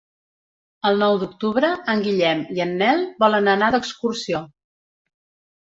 El nou d'octubre en Guillem i en Nel volen anar d'excursió.